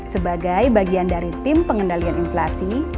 sebagai bagian dari tim pengendalian inflasi